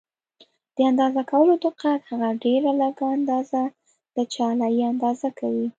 د اندازه کولو دقت هغه ډېره لږه اندازه ده چې آله یې اندازه کوي.